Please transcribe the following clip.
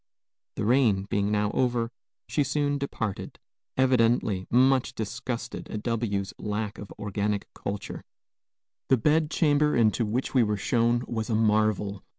The rain being now over, she soon departed, evidently much disgusted at W 's lack of organic culture. The bed chamber into which we were shown was a marvel.